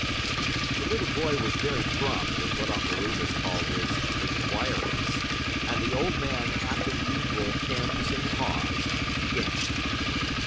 The little boy was very prompt with what Uncle Remus called his "inquirements," and the old man, after the usual "hems" and "haws," began.